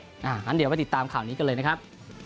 อย่างนั้นเดี๋ยวไปติดตามข่าวนี้กันเลยนะครับ